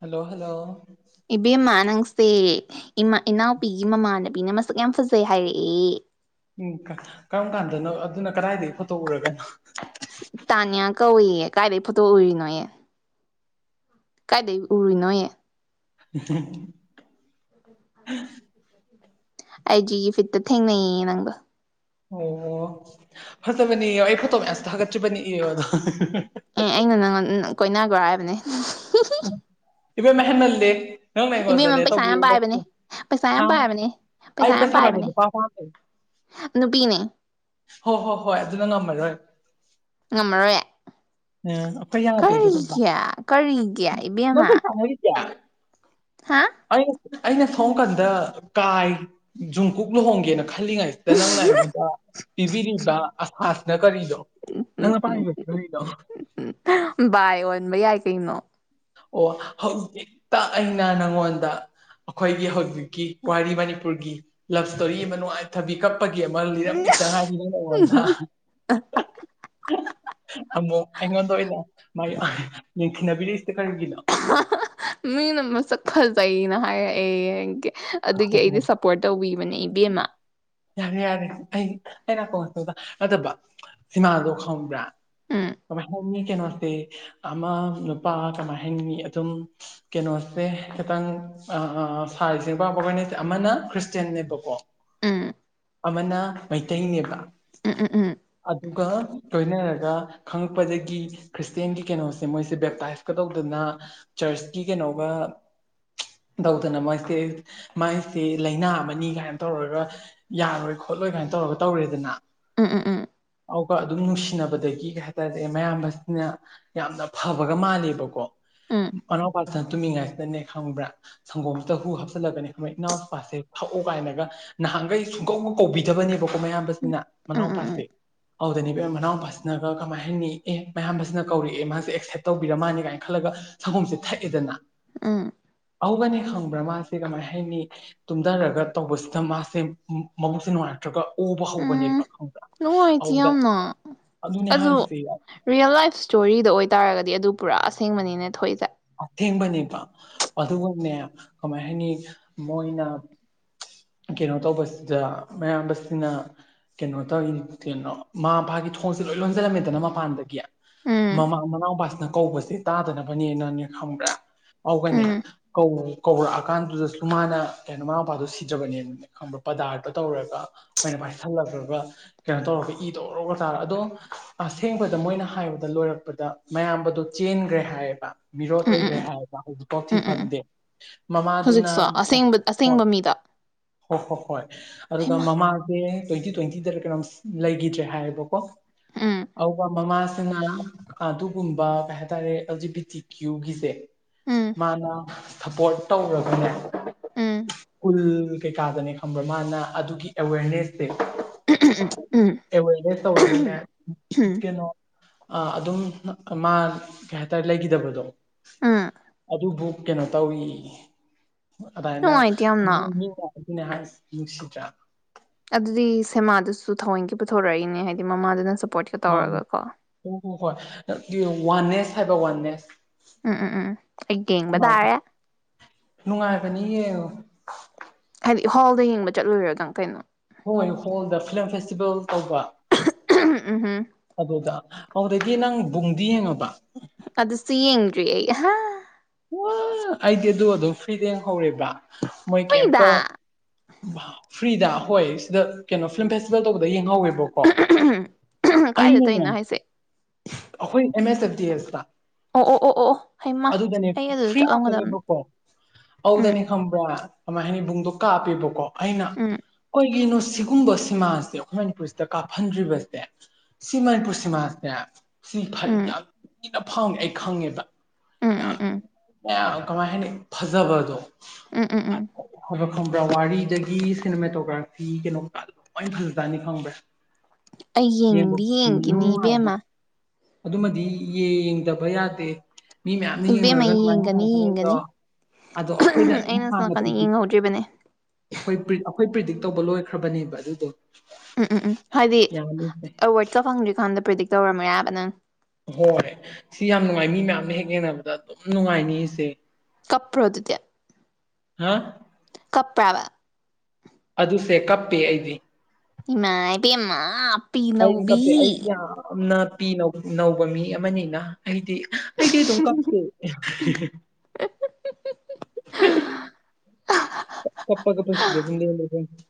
hello hello ꯏꯕꯦꯝꯃ ꯅꯪꯁꯦ ꯏꯃꯥ ꯏꯅꯥꯎꯄꯤꯒꯤ ꯃꯃꯥꯟꯅꯕꯤꯅ ꯃꯁꯛ ꯌꯥꯝ ꯐꯖꯩ ꯍꯥꯏꯔꯛꯑꯦ ꯎꯝ ꯀꯔꯝ ꯀꯥꯟꯗꯅꯣ ꯑꯗꯨꯅ ꯀꯗꯥꯏꯗꯒꯤ ꯐꯣꯇꯣ ꯎꯔꯒꯅꯣ ꯇꯥꯅꯤꯌꯥ ꯀꯧꯏꯌꯦ ꯀꯥꯏꯗꯩ ꯐꯣꯇꯣ ꯎꯔꯤꯅꯣꯌꯦ ꯀꯥꯏꯗꯒꯤ ꯎꯔꯨꯏꯅꯣꯌꯦ [inaudible] ꯑꯥꯏ ꯖꯤ ꯐꯤꯠꯇ ꯊꯦꯡꯅꯩꯌꯦ ꯅꯪꯗꯣ ꯑꯣ ꯐꯠꯇꯕꯅꯤ ꯏꯌꯣ ꯑꯩ ꯐꯣꯠꯇꯣ ꯃꯌꯥꯝꯁꯇ ꯊꯥꯒꯠꯆꯕꯅꯤ ꯏꯌꯣ ꯑꯗꯣ ꯑꯦ ꯑꯩꯅ ꯅꯪ ꯀꯣꯏꯅꯥꯒ꯭ꯔꯣ ꯍꯥꯏꯕꯅꯦ ꯏꯕꯦꯝꯃ ꯍꯟꯃꯜꯂꯦ ꯅꯪ ꯏꯕꯦꯝꯃ ꯑꯩꯉꯣꯟꯗꯅꯦ ꯄꯩꯁꯥ ꯇꯧꯕꯤ ꯌꯥꯝ ꯄꯥꯏꯕꯅꯦ ꯄꯩꯁꯥ ꯍ ꯌꯥꯝ ꯄꯥꯏꯕꯅꯦ ꯄꯩꯁꯥ ꯑꯩ ꯌꯥꯝ ꯄꯩꯁꯥꯄꯥꯏꯕ ꯄꯥꯏꯕꯅꯦ ꯅꯨꯄꯥ ꯄꯥꯝꯃꯦ ꯅꯨꯄꯤꯅꯦ ꯍꯣ ꯍꯣ ꯍꯣ ꯑꯗꯨꯅ ꯉꯝꯃꯔꯣꯏ ꯉꯝꯃꯔꯣꯏꯌꯦ ꯑꯥ ꯑꯈꯣꯏ ꯌꯥꯇꯦ ꯗꯨꯒꯨꯝꯕ ꯀꯔꯤꯒꯤ ꯀꯔꯤꯒꯤ ꯏꯕꯦꯝꯃ ꯍꯥ ꯑꯩ ꯑꯩꯅ ꯁꯣꯝ ꯀꯥꯟꯗ ꯀꯥꯏ ꯖꯨꯡꯀꯨꯨꯛ ꯂꯨꯍꯣꯡꯒꯦꯅ ꯈꯜꯂꯤꯉꯩꯁꯤꯗ ꯅꯪꯅ ꯑꯩꯉꯣꯟꯗ ꯄꯤꯕꯤꯔꯤꯕ ꯑꯁꯥꯁꯤꯅ ꯀꯔꯤꯅꯣ ꯅꯪꯅ ꯄꯥꯝꯂꯤꯕꯁꯤ ꯀꯥꯔꯤꯅꯣ ꯕ ꯌꯥꯏ ꯀꯩꯅꯣ ꯑꯣ ꯍꯧꯖꯤꯛꯇ ꯑꯩꯅ ꯅꯪꯉꯣꯟꯗ ꯑꯩꯈꯣꯏꯒꯤ ꯍꯧꯖꯤꯛꯀꯤ ꯋꯥꯔꯤ ꯃꯅꯤꯄꯨꯔꯒꯤ ꯂꯞ ꯁ꯭ꯇꯣꯔꯤ ꯑꯃ ꯅꯨꯡꯉꯥꯏ ꯊꯝꯕꯤꯈ꯭ꯔ ꯀꯞꯄꯒꯤ ꯑꯃ ꯎꯝ ꯂꯤꯔꯝꯈꯤꯇ ꯉꯥꯏꯔꯤ ꯅꯪꯅ ꯑꯩꯉꯣꯟꯗ [unintelligible] ꯑꯃꯨꯛ ꯑꯩꯉꯣꯟꯗ ꯑꯣꯏꯅ ꯃ ꯌꯦꯡꯊꯤꯅꯕꯤꯔꯤꯁꯤ ꯀꯔꯤꯒꯤꯅꯣ [unintelligible] ꯃꯤꯅ ꯃꯁꯛ ꯐꯖꯩꯅ ꯍꯥꯏꯔꯛꯑꯦ ꯌꯦ ꯑꯗꯨꯒꯤ ꯑꯩꯗꯤ ꯁꯞꯄꯣꯔꯠ ꯇꯧꯕꯤꯕꯅꯦ ꯏꯕꯦꯝꯃ ꯌꯥꯔꯦ ꯌꯥꯔꯦ ꯑꯩ ꯑ ꯅꯀꯣꯡꯗ ꯅꯠꯇꯕ ꯁꯤꯃꯥꯗꯣ ꯈꯪꯕ꯭ꯔꯥ ꯎꯝ ꯀꯃꯥꯏꯍꯥꯏꯅꯤ ꯀꯩꯅꯣꯁꯦ ꯑꯃ ꯅꯨꯄꯥ ꯀꯃꯥꯏ ꯍꯥꯏꯅꯤ ꯑꯗꯨꯝ ꯀꯦꯅꯣ ꯈꯤꯇꯪ ꯑꯥ ꯁꯥꯔꯤ ꯁꯦꯠꯄ ꯑꯝꯄꯧ ꯂꯣꯏꯅꯖꯦ ꯑꯃꯅ ꯈ꯭ꯔꯤꯁꯇꯦꯟꯅꯦꯕꯀꯣ ꯎꯝ ꯑꯃꯅ ꯃꯩꯇꯩꯅꯦꯕ ꯎꯝ ꯎꯝ ꯎꯝ ꯑꯗꯨꯒ ꯂꯣꯏꯅꯔ ꯔ ꯈꯪꯉꯛꯄꯗꯒꯤ ꯈ꯭ꯔꯤꯁꯇꯦꯟꯒꯤ ꯀꯩꯅꯣꯁꯦ ꯃꯣꯏꯁꯦ ꯕꯦꯞꯇꯥꯏꯁꯀ ꯇꯧꯗꯅ ꯆꯥꯔꯁꯀꯤ ꯇꯧꯒ ꯇꯧꯗꯅ ꯃꯣꯏꯁꯦ ꯃꯥꯏꯁꯦ ꯂꯥꯏꯅ ꯑꯃꯅꯤ ꯀꯥꯏꯅ ꯇꯧꯔꯒ ꯌꯥꯔꯣꯏ ꯈꯣꯠꯂꯣꯏ ꯀꯥꯏꯅ ꯇꯧꯔꯒ ꯇꯧꯔꯦꯗꯅ ꯎꯝ ꯎꯝ ꯎꯝ ꯑꯧꯒ ꯑꯗꯨꯝ ꯅꯨꯡꯁꯤꯅꯕꯗꯒꯤ ꯀꯩ ꯍꯥꯏꯇꯥꯔꯦ ꯃꯌꯥꯝꯕꯁꯤꯅ ꯌꯥꯝꯅ ꯐꯕꯒ ꯃꯥꯜꯂꯦꯕꯀꯣ ꯎꯝ ꯃꯅꯥꯎꯄꯥꯁꯟ ꯇꯨꯝꯃꯤꯉꯥꯏꯁꯤꯗꯅꯦ ꯈꯪꯕ꯭ꯔꯥ ꯁꯪꯒꯣꯝꯁꯤꯗ ꯍꯨ ꯆꯜꯂꯒꯅꯦ ꯏꯅꯥꯎꯄꯥꯁꯦ ꯊꯛꯑꯣ ꯀꯥꯏꯅꯒ ꯅꯍꯥꯟꯒꯩ ꯁꯨꯡꯀꯧꯒ ꯀꯧꯕꯤꯗꯕꯅꯦꯕꯀꯣ ꯃꯌꯥꯝꯕꯁꯤꯅ ꯎꯝ ꯎꯝ ꯎꯝ ꯃꯅꯥꯎꯄꯥꯁꯦ ꯑꯧꯗꯅꯦ ꯏꯕꯦꯝ ꯃꯅꯥꯎꯄꯥꯁꯤꯅꯒ ꯀꯃꯥꯏ ꯍꯥꯏꯅꯤ ꯑꯦ ꯃꯌꯥꯝꯕꯁꯤꯅ ꯀꯧꯔꯛꯑꯦ ꯃꯥꯁꯦ ꯑꯦꯛꯁꯦꯞ ꯇꯧꯕꯤꯔꯃꯥꯟꯅꯦ ꯀꯥꯏꯅ ꯈꯜꯂ ꯁꯪꯒꯣꯝꯁꯦ ꯊꯛꯑꯦꯗꯅ [unintelligible] ꯑꯧꯒꯅꯦ ꯈꯪꯕ꯭ꯔ ꯃꯥ ꯁꯤ ꯀꯃꯥꯏ ꯍꯥꯏꯅꯤ ꯇꯨꯝꯙꯔꯒ ꯇꯧꯕꯁꯤꯗ ꯃꯥꯁꯦ ꯃꯕꯨꯛꯁꯦ ꯅꯨꯡꯉꯥꯏꯔꯛꯇ꯭ꯔꯒ ꯑꯣꯕ ꯍꯧꯕꯅꯦꯕ ꯎꯝ ꯈꯪꯕ꯭ꯔꯥ ꯅꯨꯡꯉꯥꯏꯇꯦ ꯑꯗꯨꯗ ꯌꯥꯝꯅ ꯑꯗꯨꯅꯦ ꯑꯗꯨ ꯍꯥꯏꯁꯦ ꯔꯤꯌꯦꯜ ꯂꯥꯏꯐ ꯁ꯭ꯇꯣꯔꯤꯗ ꯑꯣꯏꯇꯥꯔꯒꯗꯤ ꯑꯗꯨ ꯄꯨꯔꯥ ꯑꯁꯦꯡꯕꯅꯤꯅꯦ ꯊꯣꯛꯏꯁꯦ ꯑꯊꯦꯡꯕꯅꯦꯕ ꯑꯗꯨꯒꯅꯦ ꯀꯃꯥꯏ ꯍꯥꯏꯅꯤ ꯃꯣꯏꯅ ꯀꯩꯅꯣ ꯇꯧꯕꯁꯤꯗ ꯃꯌꯥꯝꯕꯁꯤꯅ ꯀꯦꯅꯣ ꯇꯧꯔꯤꯅꯤ ꯀꯦꯅꯣ ꯃꯥꯄꯥꯒꯤ ꯊꯣꯡꯁꯦ ꯂꯣꯏ ꯂꯣꯟꯁꯤꯜꯂꯝꯃꯦꯗꯅ ꯃꯄꯥꯟꯗꯒꯤ ꯎꯝ ꯃꯃꯥ ꯃꯅꯥꯎꯄꯥꯁꯤꯅ ꯀꯧꯕꯖꯦ ꯇꯥꯗꯅꯕꯅꯦꯅꯅꯦ ꯈꯪꯕ꯭ꯔ ꯑꯧꯒꯅꯦ ꯎꯝ ꯀꯧ ꯀꯧꯔꯛꯑꯀꯥꯟꯗꯨꯗꯁꯨ ꯃꯥꯅ ꯀꯩꯅꯣ ꯃꯅꯥꯎꯄꯥꯗꯣ ꯁꯤꯗ꯭ꯔꯕꯅꯦꯅ ꯈꯪꯕ꯭ꯔ ꯄꯗꯥꯔꯗ ꯇꯧꯔꯒ ꯃꯣꯏꯅ ꯄꯥꯏꯁꯜꯂꯒꯒ ꯀꯩꯅꯣ ꯇꯧꯔꯒ ꯏꯗꯣ ꯑꯣꯔꯔꯣꯔꯣꯒ ꯇꯔꯥ ꯑꯗꯣ ꯑꯁꯦꯡꯕꯗ ꯃꯣꯏꯅ ꯍꯥꯏꯕꯗ ꯂꯣꯏꯔꯛꯄꯗ ꯃꯌꯥꯝꯕꯗꯣ ꯆꯦꯟꯒ꯭ꯔꯦ ꯍꯥꯏꯌꯦꯕ ꯃꯤꯔꯣꯠ ꯎꯝ ꯎꯝ ꯎꯝ ꯑꯣꯏꯒ꯭ꯔꯦ ꯎꯝ ꯍꯥꯏꯌꯦꯕ ꯍꯧꯖꯤꯛꯐꯥꯎ ꯊꯤ ꯎꯝ ꯎꯝ ꯐꯪꯗꯦ ꯃꯃꯥꯗꯨꯅ ꯍꯧꯖꯤꯛꯁꯨ ꯑꯁꯦꯡꯕ ꯑꯁꯦꯡꯕ ꯃꯤꯗꯣ ꯍꯣ ꯍꯣ ꯍꯣꯏ ꯑꯗꯨꯒ ꯃꯃꯥꯡꯁꯦ ꯇ꯭ꯋꯦꯟꯇꯤ ꯇ꯭ꯋꯦꯟꯇꯤ ꯗꯔꯥ ꯀꯩꯅꯣꯝ ꯂꯩꯈꯤꯗ꯭ꯔꯦ ꯍꯥꯏꯌꯦꯕꯀꯣ ꯎꯝ ꯑꯧꯒ ꯃꯃꯥꯁ ꯑꯗꯨꯅ ꯑꯗꯨꯒꯨꯝꯕ ꯀꯩ ꯍꯥꯏꯇꯥꯔꯦ ꯑꯦꯜꯖꯤꯕꯤ ꯇꯤ ꯀ꯭ꯌꯨꯒꯤꯁꯦ ꯎꯝ ꯃꯥꯅ ꯁꯞꯄꯣꯔꯠ ꯇꯧꯔꯒꯅꯦ ꯎꯝ ꯁ꯭ꯀꯨꯜ ꯀꯩꯀꯥꯗꯅꯦ ꯈꯪꯕ꯭ꯔ ꯃꯥꯅ ꯑꯗꯨꯒꯤ ꯑꯦꯋꯦꯔꯅꯦꯁ ꯎꯝ ꯎꯝ ꯑꯦꯋꯦꯔꯅꯦꯁ ꯇꯧꯔꯒꯅꯦ ꯎꯝ ꯀꯦꯅꯣ ꯑ ꯑꯗꯨꯝ ꯃꯥ ꯀꯩ ꯍꯥꯏꯇꯥꯔꯦ ꯂꯩꯈꯤꯗꯕꯗꯣ ꯎꯝ ꯑꯗꯨꯕꯨ ꯀꯩꯅꯣ ꯇꯧꯋꯤ ꯑꯗꯥꯏꯅ ꯅꯨꯡꯉꯥꯏꯇꯦ ꯌꯥꯝꯅ ꯃꯤ [unintelligible] ꯅꯦ ꯍꯥꯏ ꯅꯨꯡꯁꯤꯗ꯭ꯔꯥ ꯑꯗꯨꯗꯤ ꯁꯦꯃꯥꯗꯨꯁꯨ ꯊꯋꯣꯏꯀꯤ ꯄꯨꯊꯣꯔꯛꯏꯅꯦ ꯍꯥꯏꯗꯤ ꯃꯃꯥꯗꯨꯅ ꯁꯞꯄꯣꯔꯠꯀ ꯃꯥꯅꯤ ꯇꯧꯔꯒ ꯀꯣ ꯍꯣ ꯍꯣ ꯍꯣꯏ ꯋꯥꯟꯅꯦꯁ ꯍꯥꯏꯕ ꯋꯥꯟꯅꯦꯁ ꯎꯝ ꯎꯝ ꯎꯝ ꯑꯩ ꯌꯦꯡꯕ ꯅꯨꯉꯥꯏꯕ꯭ꯔ ꯇꯥꯔꯦ ꯅꯨꯡꯉꯥꯏꯕꯅꯤ ꯌꯦꯡꯉꯣ ꯍꯣꯜꯗ ꯌꯦꯡꯕ ꯆꯠꯂꯨꯔꯤꯔ ꯗꯪ ꯀꯩꯅꯣ ꯍꯣꯏ ꯍꯣꯜꯗ ꯐꯤꯂꯝ ꯐꯦꯁꯇꯤꯚꯦꯜ ꯇꯧꯕ ꯎꯝ ꯍꯝ ꯑꯗꯨꯗ ꯑꯗꯨꯗꯒꯤ ꯅꯪ ꯕꯨꯡꯗꯤ ꯌꯦꯡꯉꯕ ꯑꯗꯨꯁꯨ ꯌꯦꯡꯗ꯭ꯔꯤ ꯑꯩ ꯍꯥ ꯋꯥ ꯑꯩꯗꯤ ꯑꯗꯣ ꯑꯗꯨꯝ ꯐ꯭ꯔꯤꯗ ꯌꯦꯡꯍꯧꯔꯦꯕ ꯃꯣꯏ ꯐ꯭ꯔꯤꯗ ꯀꯩꯝꯇ ꯐ꯭ꯔꯤꯗ ꯍꯣꯏ ꯁꯤꯗ ꯀꯩꯅꯣ ꯐꯤꯂꯝ ꯐꯦꯁꯇꯤꯚꯦꯜ ꯇꯧꯕ ꯕ ꯌꯦꯡꯍꯧꯋꯦꯕꯀꯣ ꯀꯥꯏꯗ ꯑꯩꯅꯅꯦ ꯇꯧꯔꯤꯅꯣ ꯍꯥꯏꯁꯦ ꯑꯩꯈꯣꯏ ꯑꯦꯝ ꯑꯦꯁ ꯑꯦꯐ ꯗꯤ ꯑꯦꯁ ꯇ ꯑꯣ ꯑꯣ ꯑꯣ ꯑꯣ ꯍꯩꯃ ꯑꯗꯨꯗꯅꯦ ꯑꯩ ꯑꯗꯨꯗ ꯐ꯭ꯔꯤ ꯆꯠꯂꯝꯒꯗꯕꯅꯤ ꯉꯥꯛꯇꯅꯦꯕꯀꯣ ꯎꯝ ꯑꯗꯨꯗꯅꯦ ꯈꯪꯕ꯭ꯔꯥ ꯀꯃꯥꯏ ꯍꯥꯏꯅꯤ ꯕꯨꯡꯗꯣ ꯀꯥꯞꯄꯦꯕꯀꯣ ꯑꯩꯅ ꯎꯝ ꯀꯩꯒꯤꯅꯣ ꯁꯤꯒꯨꯝꯕ ꯁꯤꯃꯥꯁꯦ ꯑꯩꯈꯣꯏ ꯃꯅꯤꯄꯨꯔꯁꯤꯗ ꯀꯥꯞꯍꯟꯗ꯭ꯔꯤꯕꯁꯦ ꯁꯤ ꯃꯅꯤꯄꯨꯔ ꯁꯤꯃꯥꯁꯦ ꯁꯤ ꯎꯝ ꯌꯥꯝ ꯊꯤꯅ ꯐꯥꯎꯅꯤ ꯑꯩ ꯈꯪꯉꯦꯕ ꯎꯝ ꯎꯝ ꯎꯝ ꯌꯥꯝ ꯀꯃꯥꯏ ꯍꯥꯏꯅꯤ ꯐꯖꯕꯗꯣ ꯎꯝ ꯎꯝ ꯎꯝ ꯕ꯭ꯔꯣꯟ ꯋꯥꯔꯤꯗꯒꯤ ꯁꯤꯅꯦꯃꯦꯇꯣꯒ꯭ꯔꯥꯐꯤ ꯀꯩꯅꯣ ꯂꯣꯏꯅ ꯐꯖꯖꯥꯅꯤ ꯈꯪꯕ꯭ꯔꯥ ꯑꯩ ꯌꯦꯡꯎ ꯌꯦꯡꯗꯤ ꯌꯦꯡꯈꯤꯅꯤ ꯈꯨꯅꯨꯉꯥꯏ ꯑꯃꯥ ꯏꯕꯦꯝꯃ ꯑꯗꯨꯃꯗꯤ ꯌꯦꯡꯗꯕ ꯌꯥꯗꯦ ꯃꯤ ꯃꯌꯥꯝꯅ ꯏꯕꯦꯝꯃ ꯌꯦꯡꯅꯔꯒ ꯅꯨꯡꯉꯥꯏ ꯌꯦꯡꯒꯅꯤ ꯅꯨꯡꯉꯥꯏ ꯍꯥꯏꯅꯩꯗꯣ ꯌꯦꯡꯒꯅꯤ ꯑꯗꯣ ꯑꯩꯈꯣꯏꯅ ꯑꯗꯨꯝ ꯑꯩꯅ ꯁꯣꯝ ꯅꯥꯀꯟꯗ ꯍꯥꯟꯅꯗꯤ ꯌꯦꯡꯍꯧꯗ꯭ꯔꯤꯕꯅꯦ ꯑꯈꯣꯏ ꯄ꯭ꯔꯤꯠ ꯑꯩꯈꯣꯏ ꯄ꯭ꯔꯤꯗꯤꯛ ꯇꯧꯕ ꯂꯣꯏꯈ꯭ꯔꯕꯅꯦꯕ ꯑꯗꯨꯗꯣ ꯎꯝ ꯎꯝ ꯎꯝ ꯍꯥꯏꯗꯤ ꯌꯥꯅꯤꯁꯦ ꯑꯦꯋꯥꯔꯗꯀ ꯐꯪꯗ꯭ꯔꯤꯀꯥꯟꯗ ꯄ꯭ꯔꯤꯗꯤꯛ ꯇꯧꯔꯝꯃꯦ ꯍꯥꯏꯕꯅꯦ ꯍꯣꯏ ꯁꯤ ꯌꯥꯝ ꯅꯨꯡꯉꯥꯏ ꯃꯤ ꯃꯌꯥꯝꯅ ꯍꯦꯛ ꯌꯦꯡꯅꯕꯗ ꯑꯗꯨꯝ ꯅꯨꯡꯉꯥꯏꯅꯤ ꯑꯁꯦ ꯀꯄ꯭ꯔꯣ ꯑꯗꯨꯗꯤ ꯍꯥ ꯀꯞꯄ꯭ꯔꯥꯕ ꯑꯗꯨꯁꯦ ꯀꯞꯄꯦ ꯑꯩꯗꯤ ꯏꯃꯥꯏ ꯄꯦꯝꯃ ꯑꯩꯗꯤ ꯀꯞꯄꯦ ꯑꯩꯗꯤ ꯌꯥꯝꯅ ꯄꯤ ꯅꯧꯕ ꯃꯤ ꯑꯃꯅꯤꯅ ꯑꯩꯗꯤ ꯑꯩꯗꯤ ꯑꯗꯨꯝ ꯀꯞꯄꯦ ꯍ ꯍ ꯍꯥ ꯀꯞꯄ ꯀꯞꯄ ꯄꯨꯟꯁꯤ [unintelligible]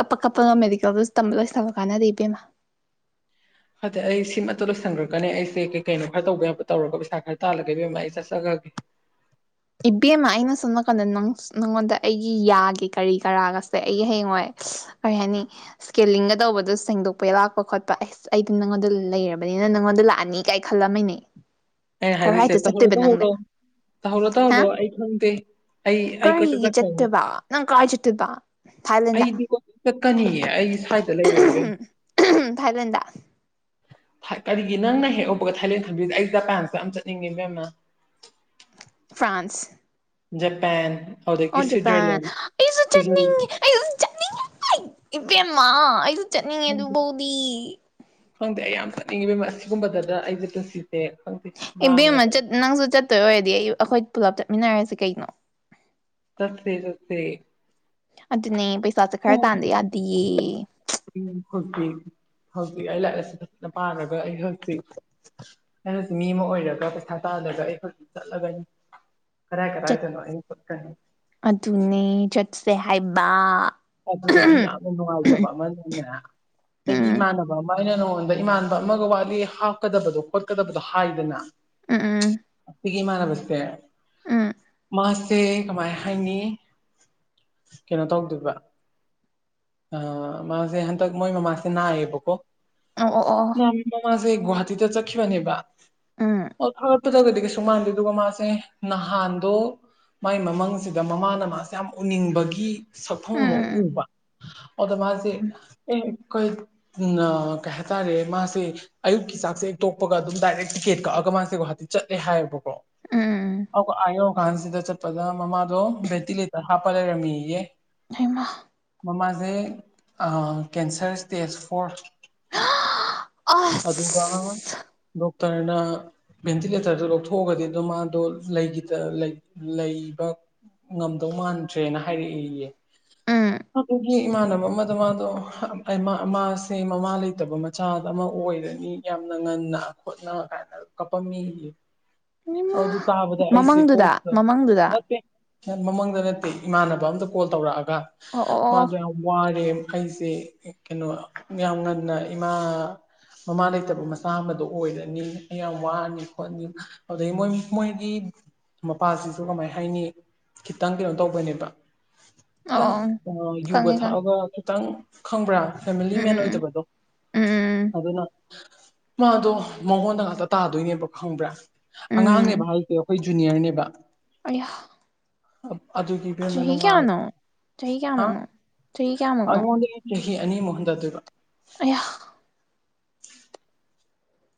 ꯀꯞꯄ ꯀꯞꯄꯒ ꯃꯦꯗꯤꯀꯦꯜꯗꯨꯁꯨ ꯇꯝꯕ ꯂꯣꯏꯁꯤꯂꯨ ꯀꯥꯟꯅꯗꯦ ꯏꯕꯦꯝꯃ ꯑꯗ ꯑꯩꯁꯦ ꯁꯤꯃꯇ ꯂꯣꯏꯁꯟꯈ꯭ꯔꯒꯅꯦ ꯑꯩꯁꯦ ꯀꯩ ꯀꯩꯅꯣ ꯈꯔ ꯇꯧꯕ ꯌꯥꯕ ꯇꯧꯔꯒ ꯄꯩꯁꯥ ꯈꯔ ꯇꯥꯜꯂꯒꯦ ꯏꯕꯦꯝꯃ ꯑꯩ ꯆꯠꯆꯒ꯭ꯔꯒꯦ [inaudible] ꯏꯕꯦꯝꯃ ꯑꯩꯅ ꯁꯣꯝ ꯅꯥꯀꯟꯗ ꯅꯪ ꯅꯉꯣꯟꯗ ꯑꯩꯒꯤ ꯌꯥꯒꯤ ꯀꯔꯤ ꯀꯔꯥꯒꯁꯦ ꯑꯩꯒꯤ ꯍꯌꯦꯡꯋꯥꯏ ꯀꯔꯤ ꯍꯥꯏꯅꯤ ꯏꯁꯀꯦꯜꯂꯤꯡꯒ ꯇꯧꯕꯗꯣ ꯁꯦꯡꯗꯣꯛꯄ ꯂꯥꯛꯄ ꯈꯣꯠꯄ ꯑꯩꯁ ꯑꯩꯗꯤ ꯅꯪꯉꯣꯟꯗ ꯂꯩꯔꯕꯅꯤ ꯍꯦꯅ ꯅꯪꯉꯣꯟꯗ ꯂꯥꯛꯑꯅꯤ ꯀꯥꯏ ꯈꯜꯂꯝꯃꯤꯅꯦ ꯑꯩ ꯍꯥꯏꯗꯣꯢꯁꯦ ꯀꯔꯥꯏꯗ ꯇꯧꯍꯧꯔꯣ ꯆꯠꯇꯣꯏꯕ ꯅꯪꯗꯤ ꯇꯧꯍꯧꯔꯣ ꯇꯧꯍꯧꯔꯣ ꯇ ꯍꯥ ꯍꯧꯔꯣ ꯑꯩ ꯈꯪꯗꯦ ꯑꯩ ꯑꯩ ꯀꯣꯏꯆꯠ ꯀꯔꯤꯒꯤ ꯆꯠꯈ꯭ꯔꯅꯤ ꯆꯠꯇꯣꯏꯕ ꯅꯪ ꯀꯔꯥꯏ ꯆꯠꯇꯣꯏꯕ ꯑꯩꯗꯤ ꯀꯣꯢꯆꯠ ꯆꯀꯅꯤꯌꯦ ꯑꯩ ꯁ꯭ꯋꯥꯏꯗ ꯂꯩꯔꯣꯏ ꯏꯕꯦꯝꯃ ꯊꯥꯏꯂꯦꯟꯗꯥ ꯀꯔꯤꯒꯤ ꯅꯪꯅ ꯍꯦꯛ ꯎꯧꯕꯒ ꯊꯥꯏꯂꯦꯟ ꯊꯝꯕꯤꯁꯦ ꯑꯩ ꯖꯄꯥꯟꯁꯨ ꯌꯥꯝ ꯆꯠꯅꯤꯡꯉꯦ ꯏꯕꯦꯝꯃ ꯐ꯭ꯔꯥꯟꯁ ꯖꯄꯥꯟ ꯑꯣ ꯑꯗꯨꯗꯒꯤ ꯖꯄꯥꯟ ꯁ꯭ꯋꯤꯖꯔꯂꯦꯟ ꯑꯩꯁꯨ ꯁ꯭ꯋꯤꯖꯔ ꯆꯠꯅꯤꯡꯉꯦ ꯑꯩꯁꯨ ꯆꯠꯅꯤꯡꯉꯦ ꯏꯕꯦꯝꯃ ꯑꯩꯁꯨ ꯆꯠꯅꯤꯡꯉꯦ ꯈꯪꯗꯦ ꯑꯗꯨꯐꯧꯗꯤ ꯈꯪꯗꯦ ꯑꯩ ꯌꯥꯝ ꯆꯠꯅꯤꯡꯉꯤꯕ ꯑꯁꯤꯒꯨꯝꯕꯗ ꯑꯩꯁꯦ ꯄꯨꯟꯁꯤ ꯏꯕꯦꯝꯅ ꯆꯠ ꯅꯪꯁꯨ ꯆꯠꯇꯣꯏ ꯑꯣꯏꯔꯗꯤ ꯑꯩ ꯑꯩꯈꯣꯏ ꯄꯨꯂꯞ ꯆꯠꯃꯤꯟꯅꯔꯁꯦ ꯀꯩꯅꯣ ꯆꯠꯁꯦ ꯆꯠꯁꯦ ꯑꯗꯨꯅꯦ ꯄꯩꯁꯥꯥꯁꯦ ꯈꯔ ꯇꯥꯟꯗ ꯌꯥꯗꯤꯌꯦ ꯎꯝ ꯑꯣꯀꯦ ꯍꯧꯖꯤꯛꯇꯤ ꯑꯩ ꯂꯥꯛꯑꯑꯦꯁꯦ ꯄꯥꯒꯔꯒ ꯑꯩꯁꯨ ꯇꯤꯛ ꯑꯩ ꯍꯧꯖꯤꯛ ꯃꯤ ꯑꯃ ꯑꯣꯏꯔꯒ ꯄꯩꯁꯥ ꯇꯥ ꯑꯗꯨꯗ ꯑꯩꯁꯨ ꯆꯠꯂꯒꯅꯤ ꯀꯗꯥꯏ ꯆꯠ ꯀꯗꯥꯏꯗꯅꯣ ꯑꯩ ꯆꯠꯀꯅꯤ ꯁ꯭ꯔꯦ ꯍꯥꯏꯃ ꯑꯗꯨꯗꯒꯤ ꯌꯥꯝꯅ ꯅꯨꯡꯉꯥꯏꯇꯕ ꯑꯃꯅꯦꯅꯦ ꯑꯩꯒꯤ ꯎꯝ ꯏꯃꯥꯟꯅꯕ ꯑꯃ ꯑꯩꯅ ꯅꯉꯣꯟꯗ ꯏꯃꯥꯟꯕ ꯑꯃꯒ ꯋꯥꯠꯂꯤ ꯍꯥꯞꯀꯗꯕꯗꯣ ꯈꯣꯠꯀꯗꯕꯗꯣ ꯍꯥꯏꯗꯅ ꯎꯝ ꯎꯝ ꯁꯤꯒꯤ ꯏꯃꯥꯅꯕꯁꯦ ꯎꯝ ꯃꯥꯁꯦ ꯀꯃꯥꯏ ꯍꯥꯏꯅꯤ ꯀꯩꯅꯣ ꯇꯧꯗꯣꯏꯕ ꯑ ꯃꯥꯁꯦ ꯍꯟꯇꯛ ꯃꯣꯏ ꯃꯃꯥꯁꯦ ꯅꯥꯢꯌꯦꯕꯀꯣ ꯑꯣ ꯑꯣ ꯑꯣ ꯑꯩ ꯒꯨꯍꯋꯥꯇꯤꯗ ꯆꯈꯈꯤꯕꯅꯦꯕ ꯎꯝ ꯑꯇ꯭ꯔꯠ ꯐꯖꯒꯗꯤ ꯀꯩꯁꯨ ꯃꯥꯟꯗꯦ ꯑꯗꯨꯒ ꯃꯥꯁꯦ ꯅꯍꯥꯟꯗꯣ ꯃꯥꯏ ꯃꯃꯥꯡꯁꯤꯗ ꯃꯃꯥꯅ ꯃꯥꯁꯦ ꯌꯥꯝ ꯎꯅꯤꯡꯕꯒꯤ ꯁꯛꯐꯣꯡꯗꯣ ꯎꯝ ꯑꯗ ꯃꯥꯁꯦ ꯎꯝ ꯑꯩ ꯑꯩꯈꯣꯏ ꯅ ꯀꯩ ꯍꯥꯏꯇꯥꯔꯦ ꯃꯥꯁꯦ ꯑꯌꯨꯛꯀꯤ ꯆꯥꯛꯁꯦ ꯍꯛꯇꯣꯛꯄꯒ ꯑꯗꯨꯝ ꯗꯥꯏꯔꯦꯛ ꯇꯤꯀꯦꯠ ꯀꯛꯑꯒ ꯃꯥꯁꯦ ꯒꯨꯍꯥꯇꯤ ꯆꯠꯂꯦ ꯍꯥꯏꯌꯦꯕꯀꯣ ꯎꯝ ꯑꯗꯨꯒ ꯑ ꯌꯧꯔ ꯀꯥꯟꯁꯤꯗ ꯆꯠꯄꯗ ꯃꯃꯥꯗꯣ ꯕꯦꯠꯇꯤ ꯂꯦꯇꯔ ꯍꯥꯄꯂꯩꯔꯝꯃꯦꯌꯦ ꯍꯩꯃ ꯃꯃꯥꯁꯦ ꯑ ꯀꯦꯟꯁꯔ ꯏꯁ꯭ꯇꯦꯖ ꯐꯣꯔ ꯑꯗꯨ ꯗꯨꯝ ꯑꯁ ꯗꯣꯛꯇꯔꯅ ꯚꯦꯟꯇꯤꯂꯦꯇꯔꯗꯨ ꯂꯧꯊꯣꯛꯑꯒꯗꯤ ꯑꯗꯨꯝ ꯃꯥꯗꯣ ꯂꯩꯈꯤꯗ ꯂꯩ ꯂꯩꯕ ꯉꯝꯗꯧ ꯃꯥꯟꯗ꯭ꯔꯦꯅ ꯍꯥꯏꯔꯛꯑꯦꯌꯦ ꯎꯝ ꯑꯗꯨꯒꯤ ꯏꯃꯥꯟꯅꯕ ꯑꯃꯗꯣ ꯃꯥꯗꯣ ꯍ ꯑꯩ ꯃꯥ ꯃꯥꯁꯦ ꯃꯃꯥ ꯂꯩꯇꯕ ꯃꯆꯥꯗ ꯑꯃ ꯑꯣꯏꯔꯅꯤ ꯌꯥꯝ ꯉꯟꯅ ꯈꯣꯠꯅ ꯀꯥꯏꯅ ꯀꯞꯄꯝꯃꯦꯌꯦ ꯍꯩꯃꯥ ꯑꯗꯨ ꯇꯥꯕꯗ ꯑꯩꯁꯦ ꯃꯃꯪꯗꯨꯗ ꯀꯣꯛꯇ ꯃꯃꯪꯗꯨꯗ ꯅꯠꯇꯦ ꯍꯦꯛ ꯃꯃꯥꯡꯗ ꯅꯠꯇꯦ ꯏꯃꯥꯟꯅꯕ ꯑꯃꯗ ꯀꯣꯜ ꯇꯧꯔꯛꯑꯒ ꯑꯣ ꯑꯣ ꯑꯣ ꯃꯥꯗꯣ ꯌꯥꯝ ꯋꯥꯔꯦ ꯑꯩꯁꯦ ꯀꯩꯅꯣ ꯌꯥꯝ ꯉꯟꯅ ꯏꯃꯥ ꯃꯃꯥ ꯂꯩꯇꯕ ꯃꯆꯥ ꯑꯃꯗꯣ ꯑꯣꯏꯔꯅꯤ ꯑꯩ ꯌꯥꯝ ꯋꯥꯔꯅꯤ ꯈꯣꯠꯅꯤ ꯑꯗꯒꯤ ꯃꯣꯏ ꯃꯣꯏꯒꯤ ꯃꯄꯥꯁꯤꯁꯨ ꯀꯃꯥꯏ ꯍꯥꯏꯅꯤ ꯈꯤꯇꯪ ꯀꯩꯅꯣ ꯇꯧꯕꯅꯦꯕ ꯈꯤꯇꯪ ꯑꯣ ꯑ ꯌꯨꯒ ꯈꯪꯉꯦ ꯈꯪꯉꯦ ꯊꯛꯑꯒ ꯈꯤꯇꯪ ꯈꯪꯕ꯭ꯔꯥ ꯐꯦꯃꯤꯂꯤ ꯎꯝ ꯃꯦꯟ ꯎꯝ ꯑꯣꯏꯗꯕꯗꯣ ꯎꯝ ꯎꯝ ꯑꯗꯨꯅ ꯃꯥꯗꯣ ꯃꯉꯣꯟꯗ ꯉꯥꯛꯇ ꯇꯥꯗꯣꯏꯅꯦꯕ ꯈꯪꯕ꯭ꯔꯥ ꯎꯝ ꯑꯉꯥꯡꯅꯦꯕ ꯍꯥꯏꯁꯦ ꯑꯩꯈꯣꯏ ꯖꯨꯅꯤꯌꯔꯅꯦꯕ ꯑꯩꯌꯥ ꯑꯞ ꯑꯗꯨꯗꯤ ꯏꯕꯦꯝꯃ ꯅꯨꯡꯉꯥꯢ ꯆꯍꯤ ꯍꯥ ꯀꯌꯥꯃꯨꯛꯅꯣ ꯆꯍꯤ ꯀꯌꯥꯃꯨꯛꯅꯣ ꯑꯩꯉꯣꯟꯗꯒꯤ ꯏꯟꯆꯤ ꯑꯅꯤꯃꯨꯛ ꯍꯟꯗꯗꯣꯏꯕ ꯑꯩꯌꯥ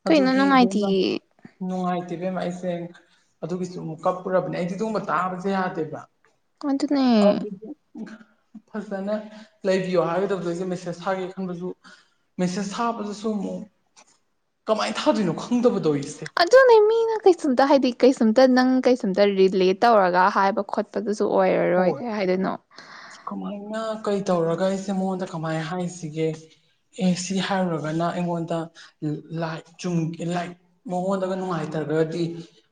ꯀꯩꯅꯣ ꯑꯗꯨꯒꯤ ꯕꯨꯡꯒ ꯅꯨꯡꯉꯥꯏꯇꯤꯌꯦ ꯅꯨꯡꯉꯥꯏ ꯏꯕꯦꯝꯃ ꯑꯩꯁꯦ ꯑꯗꯨꯒꯤꯁꯨ ꯑꯃꯨꯛ ꯀꯞꯄꯨꯔꯕꯅꯦ ꯑꯩꯖꯦ ꯑꯗꯨꯒꯨꯝꯕ ꯇꯥꯕꯖꯦ ꯌꯥꯗꯦꯕꯥ ꯀꯣꯟꯗꯨꯅꯦ ꯐꯖꯅ ꯂꯩꯕꯤꯌꯣ ꯍꯥꯏꯒꯗꯕꯖꯨ ꯃꯦꯁꯦꯁ ꯊꯥꯒꯦ ꯈꯟꯕꯖꯨ ꯃꯦꯁꯦꯁ ꯊꯥꯕꯗꯨꯁꯨ ꯑꯃꯨꯛ ꯀꯃꯥꯏꯅ ꯊꯥꯗꯣꯏꯅꯣ ꯈꯪ ꯑꯗꯨꯅꯦ ꯃꯤꯅ ꯀꯩꯁꯨꯝꯇ ꯍꯥꯏꯗꯤ ꯀꯩꯁꯨꯝꯇ ꯅꯪ ꯀꯩꯁꯨꯝꯇ ꯔꯤꯂꯦꯠ ꯇꯧꯔꯒ ꯍꯥꯏꯕ ꯈꯣꯠꯄꯗꯨꯁꯨ ꯑꯗꯨ ꯑꯣꯏꯔꯔꯣꯏ ꯍꯣꯏ ꯀꯩ ꯍꯥꯏꯗꯣꯏꯅꯣ ꯀꯃꯥꯏꯅ ꯀꯩ ꯇꯧꯔꯒ ꯑꯩꯁꯦ ꯃꯉꯣꯟꯗ ꯀꯃꯥꯏ ꯍꯥꯏꯁꯤꯒꯦ ꯑꯦ ꯁꯤ ꯍꯥꯏꯔꯨꯔꯒꯅꯥ ꯑꯩꯉꯣꯟꯗ ꯂꯥꯏꯛ ꯆꯨꯝ ꯂꯥꯏꯛ ꯃꯉꯣꯟꯗꯒ ꯅꯨꯡꯉꯥꯏꯇ ꯔꯒꯗꯤ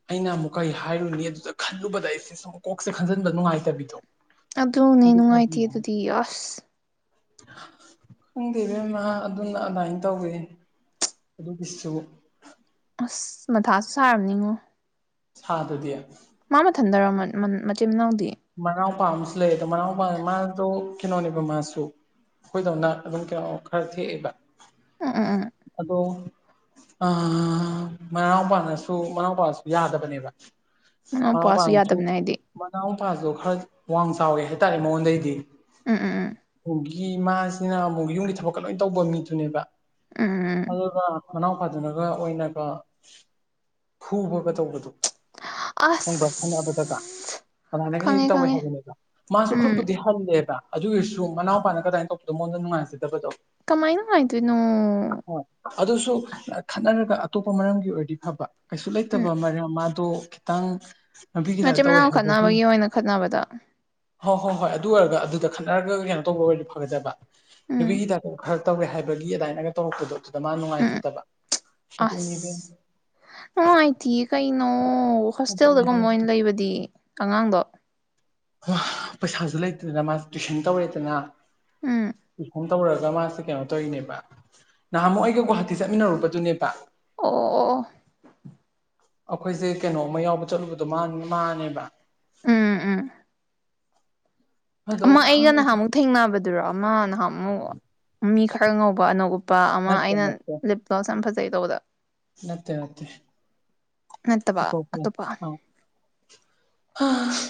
ꯑꯩꯅ ꯑꯃꯨꯛ ꯀꯩ ꯍꯥꯏꯔꯨꯅꯤ ꯑꯗꯨꯗ ꯈꯜꯂꯨꯕꯗ ꯑꯩꯁꯦ ꯁꯨꯝ ꯀꯣꯛꯁꯦ ꯈꯟꯖꯟꯕ ꯅꯨꯡꯉꯥꯏ ꯇꯕꯤꯗꯣ ꯑꯗꯨꯅꯦ ꯅꯨꯡꯉꯥꯏꯇꯦ ꯑꯗꯨꯗꯤ ꯑꯁ [inaudible] ꯈꯪꯗꯦ ꯏꯕꯦꯝꯃ ꯑꯗꯨꯅ ꯑꯃꯥꯏꯅ ꯇꯧꯋꯦ ꯑꯗꯨꯒꯤꯁꯨ ꯑꯁ ꯃꯊꯥꯁꯨ ꯁꯥꯔꯝꯅꯤꯉꯣ ꯁꯥꯗꯗꯤ ꯃꯥ ꯃꯊꯟꯗꯔꯣ ꯃꯟ ꯃꯟ ꯃꯆꯤꯟ ꯃꯅꯥꯎ ꯃꯅꯥꯎꯄꯥ ꯑꯃꯁꯨ ꯂꯩꯌꯦ ꯗꯣ ꯃꯅꯥꯎꯄꯥ ꯃꯥꯗꯣ ꯀꯩꯅꯣꯅꯦꯕ ꯃꯥꯁꯨ ꯑꯈꯣꯏꯗꯧꯅ ꯑꯗꯨꯝ ꯀꯦꯅꯣ ꯈꯔ ꯊꯦꯛꯑꯦꯕ ꯑ ꯑ ꯑꯥ ꯗꯣ ꯑꯥ ꯃꯅꯥꯎꯄꯥꯅꯁꯨ ꯃꯅꯥꯎꯄꯥꯁꯨ ꯌꯥꯗꯕꯅꯦꯕ ꯃꯅꯥꯎꯄꯥꯁꯨ ꯃꯅꯥꯎꯄꯥꯅꯁꯨ ꯌꯥꯗꯕꯅꯦ ꯍꯥꯏꯗꯤ ꯃꯅꯥꯎ ꯑꯗꯣ ꯈꯔꯗꯤ ꯋꯥꯡ ꯆꯥꯎꯋꯦ ꯍꯥꯏꯇꯥꯔꯦ ꯃꯉꯣꯟꯗꯩꯗꯤ ꯎꯝ ꯎꯝ ꯎꯝ ꯎꯒꯤ ꯃꯥꯁꯤꯅ ꯑꯃꯨꯛ ꯌꯨꯝꯒꯤ ꯊꯕꯛꯀ ꯂꯣꯏ ꯇꯧꯕ ꯃꯤꯗꯨꯅꯦꯕ ꯑꯗꯨꯒ [unintelligible] ꯃꯅꯥꯎꯄꯥꯗꯨꯅꯒ ꯑꯣꯏꯅꯒ ꯐꯨꯕꯒ ꯇꯧꯕꯗꯣ ꯈꯪꯕ꯭ꯔ ꯈꯠꯅꯕꯗꯒ ꯑꯁ ꯀꯅꯣꯗꯒ ꯍꯦꯛ ꯈꯪꯉꯦ ꯇꯧꯋꯦ ꯈꯪꯉꯦ ꯍꯥꯏꯕꯅꯦꯕ ꯃꯥꯁꯨ ꯎꯝ ꯈꯨꯠꯄꯨꯗꯤ ꯍꯜꯂꯦꯕ ꯑꯗꯨ ꯑꯣꯏꯔꯁꯨ ꯃꯅꯥꯎꯄꯥꯅ ꯑꯗꯥꯏꯅ ꯇꯧꯕꯗꯣ ꯃꯉꯣꯟꯗ ꯅꯨꯡꯉꯥꯏꯖꯗꯕꯗꯣ ꯀꯃꯥꯏꯅ ꯅꯨꯉꯥꯏꯗꯣꯏꯅꯣ ꯍꯣꯏ ꯑꯗꯨꯁꯨ ꯈꯠꯅꯔꯒ ꯑꯇꯣꯞꯄ ꯃꯔꯝꯒꯤ ꯑꯣꯏꯔꯗꯤ ꯐꯕ ꯀꯩꯁꯨ ꯎꯝ ꯂꯩꯇꯕ ꯃꯔꯝ ꯃꯥ ꯗꯣ ꯈꯤꯇꯪ ꯅꯨꯄꯤꯒꯤ ꯇꯥꯏꯞ ꯃꯆꯤꯟ ꯇꯧꯋꯦ ꯃꯅꯥꯎ ꯍꯥꯏꯕꯣ [unintelligible] ꯑꯣꯏꯅ ꯈꯠꯅꯕꯗ ꯍꯣ ꯍꯣꯏ ꯍꯣꯏ ꯑꯗꯨ ꯑꯣꯏꯔꯒ ꯑꯗꯨꯗ ꯈꯠꯅꯔꯒ ꯀꯩꯅꯣ ꯇꯧꯕ ꯑꯣꯏꯔꯗꯤ ꯐꯒꯗꯕ ꯎꯝ ꯅꯨꯄꯤꯒꯤ ꯇꯥꯏꯞꯇ ꯋꯈꯜ ꯇꯧꯔꯦ ꯍꯥꯏꯕꯒꯤ ꯑꯗꯥꯏꯅꯒ ꯇꯧꯔꯛꯄꯗꯣ ꯑꯗꯥ ꯃꯥꯅ ꯎꯝ ꯅꯨꯡꯉꯥꯏꯖꯗꯕ ꯑꯗꯨꯅꯤ ꯑꯁ ꯏꯕꯦꯝꯃ ꯅꯨꯡꯉꯥꯏꯇꯤꯌꯦ ꯀꯩꯅꯣ ꯑꯗꯨꯅꯦ ꯍꯣꯁꯇꯦꯜꯗꯒꯨꯝꯕ ꯍꯥꯏꯁꯦ ꯑꯣꯏꯅ ꯂꯩꯕꯗꯤ ꯑꯉꯥꯡꯗꯣ ꯋꯥ ꯄꯩꯁꯥꯖꯨ ꯂꯩꯇꯗꯅ ꯃꯥꯁꯦ ꯇꯨꯏꯁꯟ ꯇꯧꯔꯦꯗꯅ ꯎꯝ ꯇꯧꯔꯒ ꯃꯥꯁꯦ ꯀꯩꯅꯣ ꯇꯧꯔꯤꯅꯦꯕ ꯅꯍꯥꯟꯃꯨꯛ ꯑꯩꯒ ꯒꯨꯍꯥꯇꯤ ꯆꯠꯃꯤꯟꯅꯔꯨꯕꯗꯨꯅꯦꯕ ꯑꯣ ꯑꯣ ꯑꯣ ꯑꯣ ꯑꯈꯣꯏꯖꯦ ꯀꯅꯣꯝꯃ ꯌꯥꯎꯕ ꯆꯠꯂꯨꯕꯗꯣ ꯃꯥꯟ ꯃꯥꯅꯦꯕ ꯎꯝ ꯎꯝ ꯑꯗꯣ ꯑꯃ ꯑꯩꯒ ꯈꯪꯗꯦ ꯅꯍꯥꯟꯃꯨꯛ ꯊꯦꯡꯅꯕꯗꯨꯔꯣ ꯑꯃ ꯅꯍꯥꯟꯃꯨꯛ ꯃꯤ ꯈꯔ ꯉꯧꯕ ꯑꯅꯣꯛ ꯎꯞꯄ ꯑꯃ ꯅꯠꯇꯦ ꯑꯩꯅ ꯅꯠꯇꯦ ꯅꯤꯄꯜꯁ ꯌꯥꯝ ꯐꯖꯩꯌꯦ ꯇꯧꯕꯗꯣ ꯅꯠꯇꯦ ꯅꯠꯇꯦ ꯅꯠꯇꯕ ꯑꯇꯣꯞꯄꯅꯤ ꯑꯇꯣꯞꯄ ꯑꯥ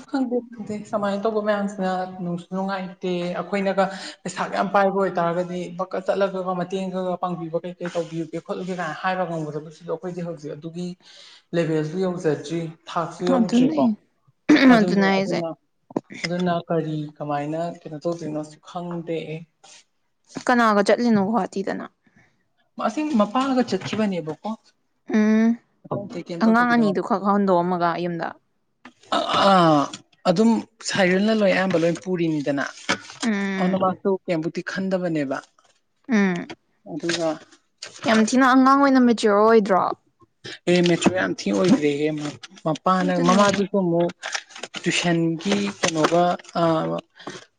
ꯈꯪꯗꯦ ꯗꯦ ꯁꯃꯥꯏꯅ ꯇꯧꯕ ꯃꯌꯥꯝꯁꯤꯅ ꯅꯨꯡꯁꯨ ꯅꯨꯡꯉꯥꯏꯇꯦ ꯑꯈꯣꯏꯅꯒ ꯄꯩꯁꯥꯒ ꯌꯥꯝ ꯄꯥꯏꯕ ꯑꯣꯏꯇꯥꯔꯒ ꯗꯤ ꯕꯛꯀ ꯆꯠꯂꯒ ꯃꯇꯦꯡꯒ ꯄꯥꯡꯕꯤꯕ ꯀꯩ ꯀꯩ ꯇꯧꯕꯤꯌꯨꯒꯦ ꯈꯣꯠꯂꯨꯒꯦ ꯀꯥꯏꯅ ꯍꯥꯏꯕ ꯉꯝꯒꯗꯕꯗꯨꯁꯨ ꯑꯩꯈꯣꯏꯗꯤ ꯍꯧꯖꯤꯛ ꯑꯗꯨꯒꯤ ꯂꯦꯕꯦꯜꯗꯨ ꯌꯧꯖꯗ꯭ꯔꯤ ꯊꯥꯛꯁꯨ ꯌꯧꯗ꯭ꯔꯤꯀꯣ ꯑꯗꯨꯅꯦ ꯑꯗꯨꯅꯦ ꯑꯗꯨꯅ ꯑꯗꯨꯅ ꯀꯔꯤ ꯀꯃꯥꯏꯅ ꯀꯩꯅꯣ ꯇꯧꯗꯣꯏꯅꯣꯁꯨ ꯈꯪꯗꯦ ꯑꯦ ꯀꯅꯥꯒ ꯆꯠꯂꯤꯅꯣ ꯒꯨꯍꯥꯇꯤꯗꯅ ꯑꯁꯦꯡ ꯃꯄꯥꯒ ꯆꯠꯈꯤꯕꯅꯦꯕꯀꯣ ꯎꯝ ꯑꯇꯩ ꯑꯇꯩ ꯀꯩꯝ ꯑꯉꯥꯡ ꯇꯧꯗꯕꯤꯗ ꯑꯅꯤꯗꯨ ꯃꯄꯥ ꯈꯛ ꯍꯟꯗꯣꯛꯑꯝꯃꯒ ꯌꯨꯝꯗ ꯑꯥ ꯑꯗꯨꯝ ꯁꯥꯏꯔꯜꯅ ꯂꯣꯏ ꯑꯌꯥꯝꯕ ꯂꯣꯏ ꯄꯨꯔꯤꯅꯤꯗꯅ ꯎꯝ ꯑꯗꯨꯃꯁꯨ ꯀꯦꯝꯕꯨꯗꯤ ꯈꯟꯗꯕꯅꯦꯕ ꯎꯝ ꯑꯗꯨꯒ ꯌꯥꯝ ꯊꯤꯅ ꯑꯉꯥꯡ ꯑꯣꯏꯅ ꯃꯦꯆꯤꯌꯣꯔ ꯑꯣꯏꯗ꯭ꯔꯣ ꯑꯦ ꯃꯦꯆꯤꯌꯣꯔ ꯌꯥꯝꯊꯤ ꯑꯣꯏꯒ꯭ꯔꯦꯍꯦ ꯃꯄꯥꯅ ꯑꯗꯨꯅꯦ ꯃꯃꯥꯗꯨꯁꯨ ꯑꯃꯨꯛ ꯇꯨꯏꯁꯟꯒꯤ ꯀꯩꯅꯣꯒ ꯑꯥ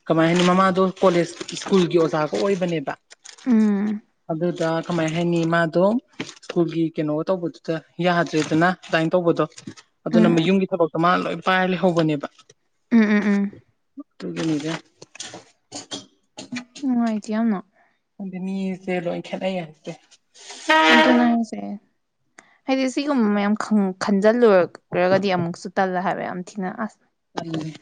ꯀꯃꯥꯏ ꯍꯥꯏꯅꯤ ꯃꯃꯥꯗꯣ ꯀꯣꯂꯦꯖ ꯁ꯭ꯀꯨꯜꯒꯤ ꯑꯣꯖꯥ ꯒ ꯑꯣꯏꯕꯅꯦꯕ ꯎꯝ ꯑꯗꯨꯗ ꯀꯃꯥꯏ ꯍꯥꯏꯅꯤ ꯃꯥꯗꯣ ꯁ꯭ꯀꯨꯜꯒꯤ ꯀꯩꯅꯣ ꯇꯧꯕꯗꯨꯗ ꯌꯥꯗ꯭ꯔꯦꯗꯅ ꯑꯗꯨꯃꯥꯏꯅ ꯇꯧꯕꯗꯣ ꯑꯗꯨꯅ ꯎꯝ ꯌꯨꯝꯒꯤ ꯊꯕꯛꯇꯣ ꯃꯥ ꯂꯣꯏ ꯄꯥꯏꯔ ꯂꯩꯍꯧꯕꯅꯦꯕ ꯎꯝ ꯎꯝ ꯎꯝ ꯑꯇꯨꯒꯤꯅꯤꯗ ꯅꯨꯡꯉꯥꯏꯇꯦ ꯌꯥꯝꯅ ꯈꯪꯗꯦ ꯃꯤꯁꯦ ꯂꯣꯏ ꯈꯦꯠꯅꯩ ꯍꯥꯏꯕꯁꯦ ꯑꯗꯨꯅ ꯍꯥꯏꯁꯦ ꯍꯥꯏꯗꯤ ꯁꯤꯒꯨꯝꯕ ꯃꯌꯥꯝ ꯈꯟ ꯈꯟꯖꯤꯜꯂꯨꯔꯨꯔꯒꯗꯤ ꯑꯃꯨꯛꯁꯨ ꯇꯜꯂꯦ ꯍꯥꯏꯕ ꯌꯥꯝ ꯊꯤꯅ ꯑꯁ ꯎꯝ